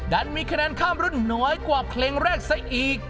ดันมีคะแนนข้ามรุ่นน้อยกว่าเพลงแรกซะอีก